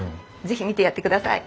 是非見てやってください。